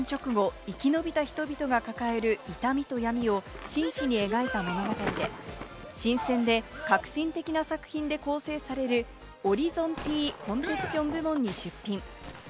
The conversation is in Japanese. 映画は終戦直後、生き延びた人々が抱える痛みと闇を真摯に描いた物語で、新鮮で革新的な作品で構成されるオリゾンティ・コンペティション部門に出品。